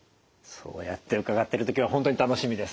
そうやって伺ってると今日は本当に楽しみです。